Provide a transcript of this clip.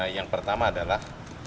yang pertama adalah